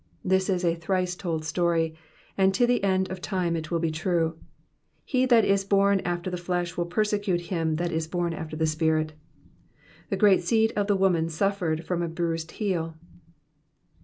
This is a thrice told story, and to the end of time it will be true ; he that is bom after the flesh will persecute him that is born after the Spirit. The great seed of the woman suffered from a bruised heel.